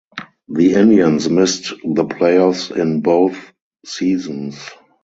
The Indians missed the playoffs in both seasons.